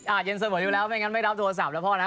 อ่าเย็นเสมออยู่แล้วไม่งั้นไม่รับโทรศัพท์นะครับพ่อนะครับ